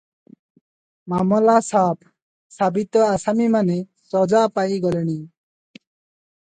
ମାମଲା ସାଫ ସାବିତ ଆସାମୀମାନେ ସଜା ପାଇ ଗଲେଣି ।